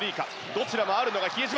どちらもあるのが比江島！